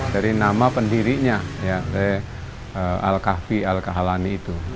dari nama pendirinya oleh al kahfi al kahalani itu